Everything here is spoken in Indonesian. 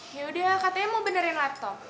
yaudah katanya mau benerin laptop